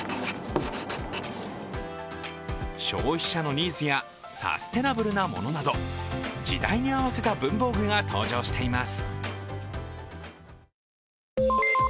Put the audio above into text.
消費者のニーズやサステナブルなものなど時代に合わせた文房具が登場しています。